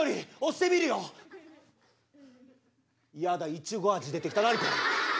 イチゴ味出てきた何これ。